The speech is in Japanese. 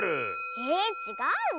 えちがうの？